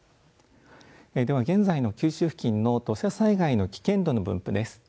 では現在の九州付近の土砂災害の危険度の分布です。